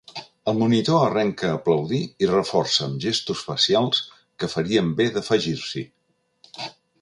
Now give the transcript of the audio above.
El monitor arrenca a aplaudir i reforça amb gestos facials que farien bé d'afegir-s'hi.